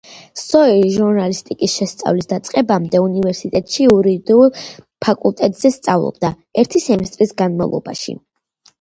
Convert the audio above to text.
სოირი ჟურნალისტიკის შესწავლის დაწყებამდე, უნივერსიტეტში იურიდიულ ფაკულტეტზე სწავლობდა ერთი სემესტრის განმავლობაში.